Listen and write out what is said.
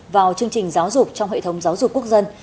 vào chương trình giáo dục trong hệ thống giáo dục quốc dân